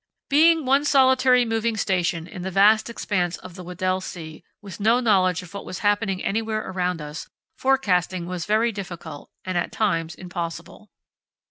Being one solitary moving station in the vast expanse of the Weddell Sea, with no knowledge of what was happening anywhere around us, forecasting was very difficult and at times impossible.